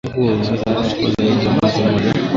mchakato huo unaweza kuchukua zaidi ya mwezi mmoja